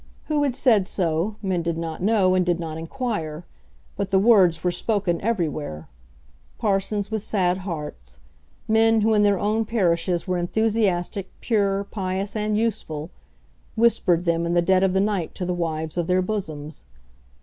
Who had said so, men did not know and did not inquire; but the words were spoken everywhere. Parsons with sad hearts, men who in their own parishes were enthusiastic, pure, pious, and useful, whispered them in the dead of the night to the wives of their bosoms.